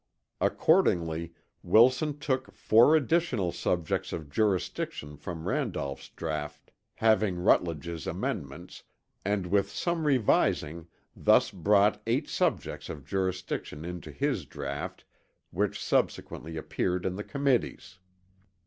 Accordingly Wilson took four additional subjects of jurisdiction from Randolph's draught having Rutledge's amendments and with some revising thus brought eight subjects of jurisdiction into his draught which subsequently appeared in the Committee's.